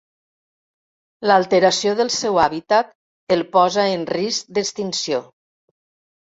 L'alteració del seu hàbitat el posa en risc d'extinció.